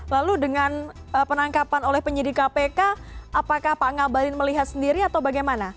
lalu dengan penangkapan oleh penyidik kpk apakah pak ngabalin melihat sendiri atau bagaimana